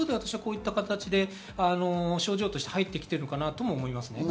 こういう形で症状として入ってきてるのかなとも思います。